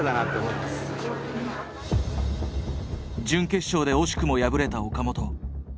準決勝で惜しくも敗れた岡本。